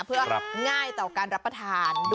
เพื่อง่ายต่อการรับประทาน